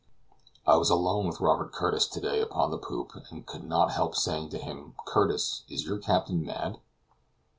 I was alone with Robert Curtis to day upon the poop, and could not help saying to him, "Curtis, is your captain mad?"